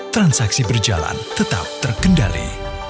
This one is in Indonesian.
transaksi berjalan tetap terkendali